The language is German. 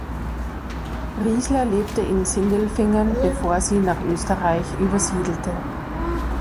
Riezler lebte in Sindelfingen, bevor sie nach Österreich übersiedelte.